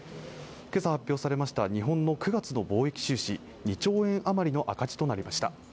今朝発表されました日本の９月の貿易収支は２兆円余りの赤字となりました